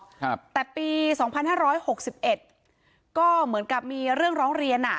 ครับแต่ปีสองพันห้าร้อยหกสิบเอ็ดก็เหมือนกับมีเรื่องร้องเรียนอ่ะ